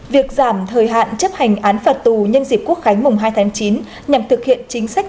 việc giảm thời hạn chấp hành án phạt tù nhân dịp quốc khánh mùng hai tháng chín nhằm thực hiện chính sách